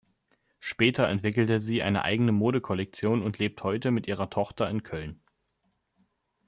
Später entwickelte sie eine eigene Modekollektion und lebt heute mit ihrer Tochter in Köln.